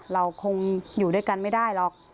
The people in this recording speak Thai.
เราคงอยู่ด้วยกันไม่ได้หรอก